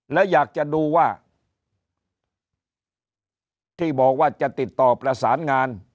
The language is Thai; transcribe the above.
และอยากจะดูว่าที่บอกว่าจะติดต่อประสานงาน